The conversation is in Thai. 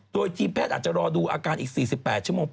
โดยทีมแพทย์อาจจะรอดูอาการอีก๔๘ชั่วโมง